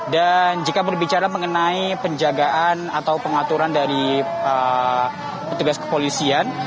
dan jika berbicara mengenai penjagaan atau pengaturan dari petugas kepolisian